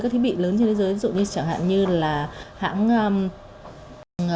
các thiết bị lớn trên thế giới dụ như chẳng hạn như là hãng